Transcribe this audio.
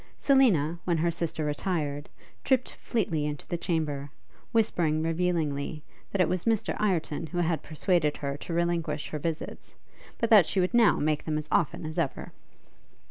Selina, when her sister retired, tripped fleetly into the chamber, whisperingly revealing, that it was Mr Ireton who had persuaded her to relinquish her visits; but that she would now make them as often as ever.